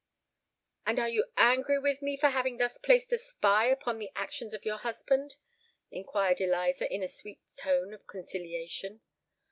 "And are you angry with me for having thus placed a spy upon the actions of your husband?" inquired Eliza, in a sweet tone of conciliation.